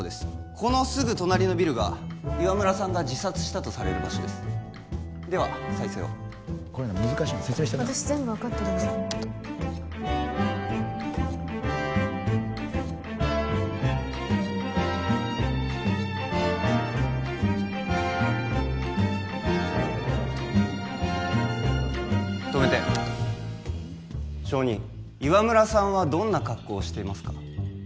このすぐ隣のビルが岩村さんが自殺したとされる場所ですでは再生をこれ難しいんだ説明してやる私全部分かってるんで止めて証人岩村さんはどんな格好をしていますか？